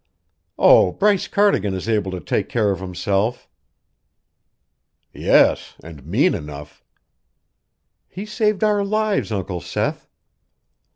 "Oh, Bryce Cardigan is able to take care of himself." "Yes, and mean enough." "He saved our lives, Uncle Seth."